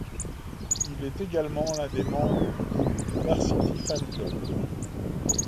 Il est également l'un des membres du groupe Varsity FanClub.